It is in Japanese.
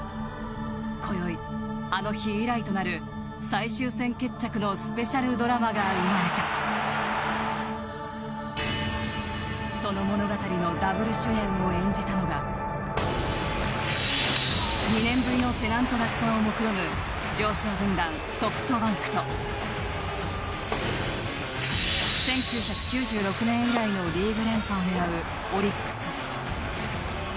今宵、あの日以来となる最終戦決着のスペシャルドラマが生まれたその物語のダブル主演を演じたのが２年ぶりのペナント奪還をもくろむ常勝軍団・ソフトバンクと１９９６年以来のリーグ連覇を狙うオリックス。